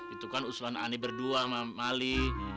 itu kan usulan ani berdua sama mali